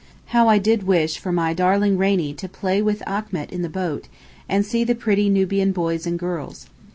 How I did wish for my darling Rainie to play with Achmet in the boat and see the pretty Nubian boys and girls.